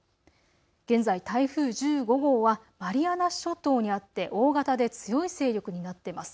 現在、台風１５号はマリアナ諸島にあって大型で強い勢力になっています。